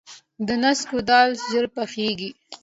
د نسکو دال ژر پخیږي.